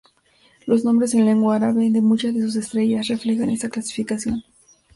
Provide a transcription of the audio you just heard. Los nombres, en lengua árabe, de muchas de sus estrellas reflejan esta clasificación.